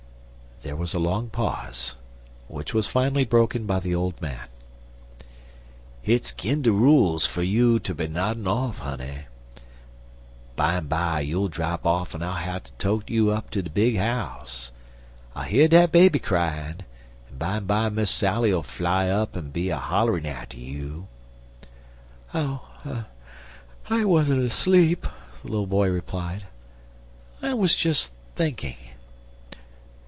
There was a long pause, which was finally broken by the old man: "Hit's 'gin de rules fer you ter be noddin' yer, honey. Bimeby you'll drap off en I'll hatter tote you up ter de big 'ouse. I hear dat baby cryin', en bimeby Miss Sally'll fly up en be a holler'n atter you" "Oh, I wasn't asleep," the little boy replied. "I was just thinking."